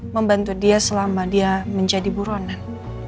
membantu dia selama dia menjadi buronan